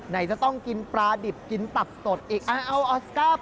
ไหนจะต้องกินปลาดิบกินตับสดอีก